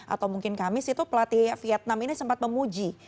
atau mungkin kamis itu pelatih vietnam ini sempat memuji